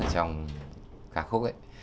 trong ca khúc ấy